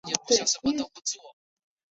他是德国社会民主党的党员。